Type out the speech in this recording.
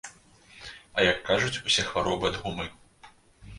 А як кажуць, усе хваробы ад гумы.